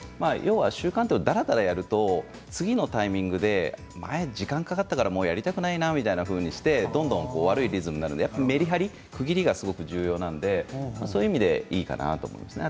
習慣というのはだらだらやると次のタイミングで前に時間がかかったからやりたくないなみたいな感じでどんどん悪いリズムになるのでメリハリ、区切りが重要なのでそういう意味でいいかなと思うんですね。